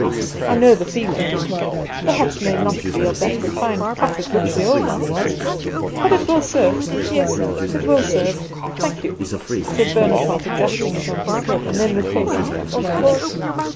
I know the feeling. The hat may not be of that refined cut of which the old one was, but it will serve, yes, it will serve. Thank you," said Bonaparte, adjusting it on his head, and then replacing it on the table.